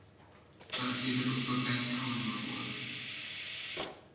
Felesége dr. Benke Anna volt.